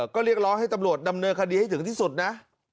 ก็เรียกร้องให้ตำรวจดำเนินคดีให้ถึงที่สุดนะ